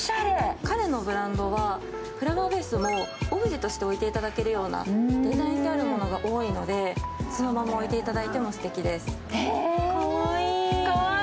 ＫＡＲＥのブランドはフラワーベースとして置いていただけるデザイン性があるものが多いのでそのまま置いていただいてもすてきです。